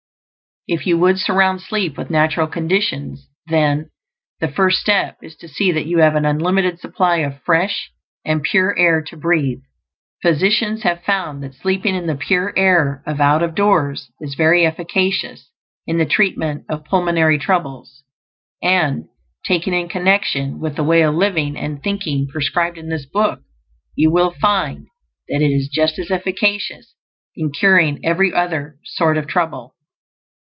If you would surround sleep with natural conditions, then, the first step is to see that you have an unlimited supply of fresh and pure air to breathe. Physicians have found that sleeping in the pure air of out of doors is very efficacious in the treatment of pulmonary troubles; and, taken in connection with the Way of Living and Thinking prescribed in this book, you will find that it is just as efficacious in curing every other sort of trouble.